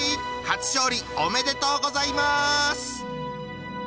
初勝利おめでとうございます！